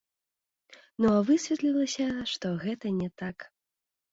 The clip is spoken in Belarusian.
Ну а высветлілася, што гэта не так.